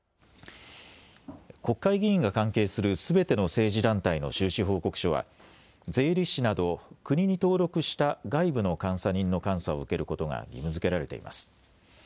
国会議員が関係するすべての政治団体の収支報告書は税理士など国に登録した外部の監査人の監査を受けることが義務づけられています。